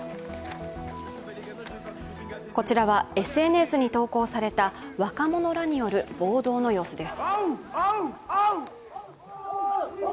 こちらはＳＮＳに投稿された若者らによる暴動の様子です。